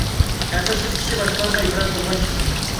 ئەقىلسىز كىشى باشقىلارغا ئىبرەت بولغان كىشىدۇر.